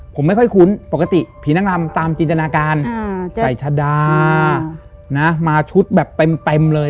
ผมไม่ค่อยคุ้นปกติผีนางรำตามจินตนาการใส่ชะดามาชุดแบบเต็มเลย